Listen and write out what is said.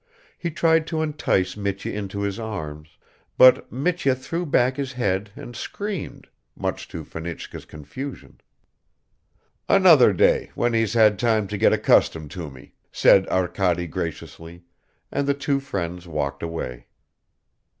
He tried to entice Mitya into his arms, but Mitya threw back his head and screamed, much to Fenichka's confusion. "Another day, when he's had time to get accustomed to me," said Arkady graciously, and the two friends walked away.